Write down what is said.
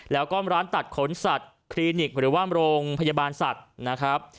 แล้วก็ร้านตัดขนสัตว์คลินิกหรือว่าโรงพยาบาลสัตว์นะครับ